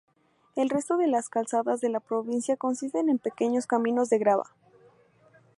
El resto de las calzadas de la provincia consisten en pequeños caminos de grava.